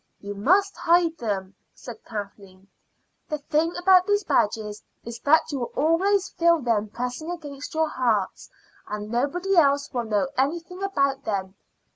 "You must hide them," said Kathleen. "The thing about these badges is that you will always feel them pressing against your hearts, and nobody else will know anything about them.